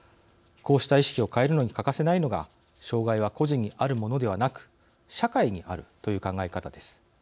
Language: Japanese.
こうした意識を変えるのに欠かせないのが障害は個人にあるものではなく社会にあるという考え方です。